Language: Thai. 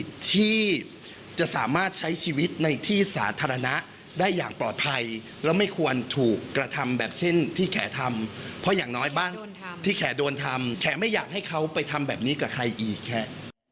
ทำแบบนี้กับใครอีกแค่